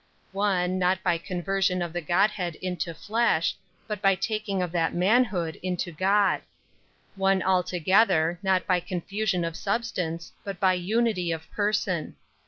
35. One, not by conversion of the Godhead into flesh, but by taking of that manhood into God. 36. One altogether, not by confusion of substance, but by unity of person.